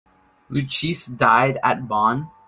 Luchesi died at Bonn.